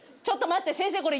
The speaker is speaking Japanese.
ちょっと待って先生